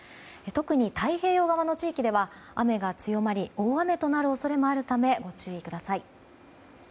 特に太平洋側の地域では雨が強まり、大雨となる恐れもあるためご注意ください。